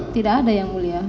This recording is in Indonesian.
tidak ada ya mulia